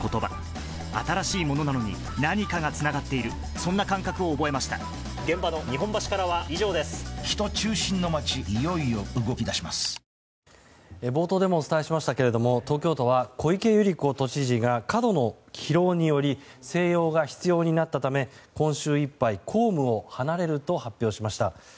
そして先週お伝えしましたが冒頭でもお伝えしましたが東京都は小池百合子都知事が過度の疲労により静養が必要になったため今週いっぱい公務を離れると発表しました。